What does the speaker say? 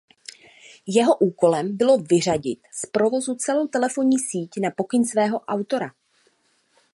Jeho úkolem bylo vyřadit z provozu celou telefonní síť na pokyn svého autora.